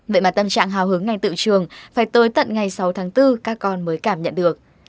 vậy mà tâm trạng hào hứng ngay tự trường phải tới tận ngày sáu tháng bốn các con mới cảm nhận được